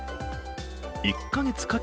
１か月かけ